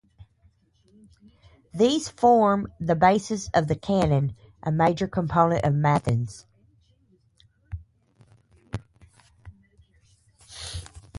These form the basis of the Canon, a major component of Matins.